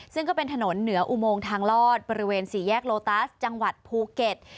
ซึ่งก็เป็นถนนเหนืออุโมงทางลอดบริเวณสี่แยกโลตัสจังหวัดภูเก็ต